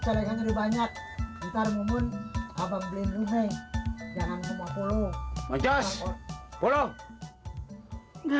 jalanin lebih banyak ntar mumun abang beliin rumi jangan